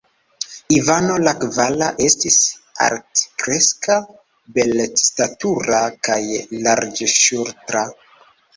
Ivano la kvara estis altkreska, belstatura kaj larĝŝultra.